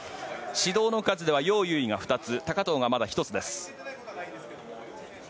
指導の数ではヨウ・ユウイが２つ高藤がまだ１つです。